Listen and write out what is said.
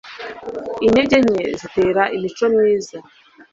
intege nke zitera imico myiza